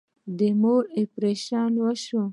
د مور اپريشن وسو.